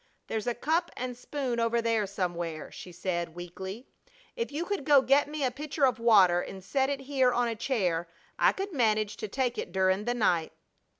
"There's a cup and spoon over there somewhere," she said, weakly. "If you could go get me a pitcher of water and set it here on a chair I could manage to take it durin' the night."